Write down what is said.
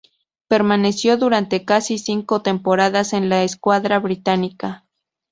Permaneció durante casi cinco temporadas en la escuadra británica.